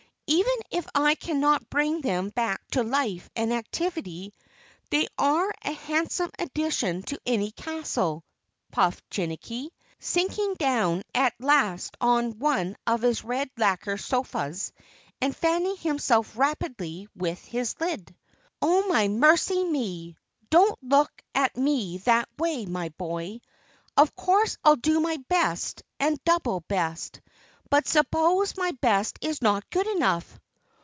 "Even if I cannot bring them back to life and activity, they are a handsome addition to any castle," puffed Jinnicky, sinking down at last on one of his red lacquer sofas and fanning himself rapidly with his lid. "Oh, my mercy me! Don't look at me that way, my boy! Of course I'll do my best and double best. But suppose my best is not good enough?"